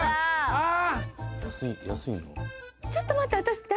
ああ。